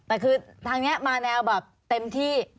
แต่คือทางนี้มาแนวแบบเต็มที่